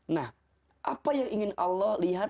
nah apa yang ingin allah lihat